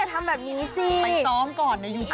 ๓๒๓เอาออกมาเพลงกับครอบครัว